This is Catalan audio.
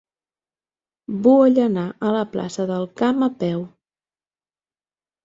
Vull anar a la plaça del Camp a peu.